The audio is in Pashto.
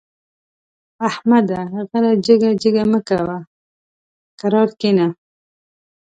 احمده! غره جګه جګه مه کوه؛ کرار کېنه.